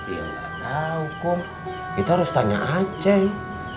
enggak tahu kum kita harus tanya aceng